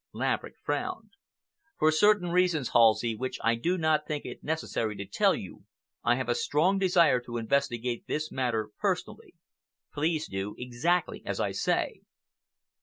Laverick frowned. "For certain reasons, Halsey, which I do not think it necessary to tell you, I have a strong desire to investigate this matter personally. Please do exactly as I say."